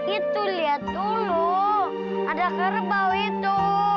itu lihat dulu ada kerbau itu